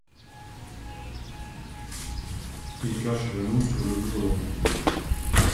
Il cache l'anneau sur le bourdon.